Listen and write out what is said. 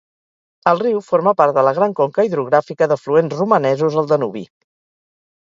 El riu forma part de la gran conca hidrogràfica d'afluents romanesos al Danubi.